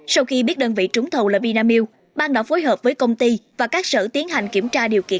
sau khi biết đơn vị trúng thầu là vinamilk ban đã phối hợp với công ty và các sở tiến hành kiểm tra điều kiện